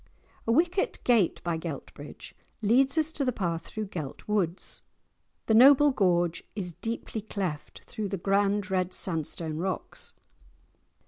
A wicket gate by Geltbridge leads us to the path through Gelt woods. The noble gorge is deeply cleft through the grand red sandstone rocks.